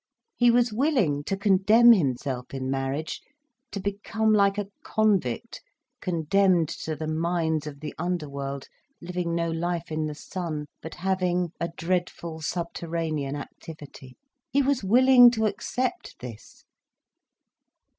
He was willing to condemn himself in marriage, to become like a convict condemned to the mines of the underworld, living no life in the sun, but having a dreadful subterranean activity. He was willing to accept this.